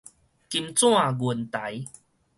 金盞銀台